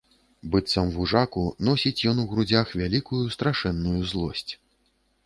Быццам вужаку, носіць ён у грудзях вялікую, страшэнную злосць.